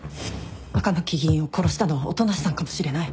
赤巻議員を殺したのは音無さんかもしれない。